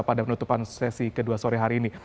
pada penutupan sesi kedua sore hari ini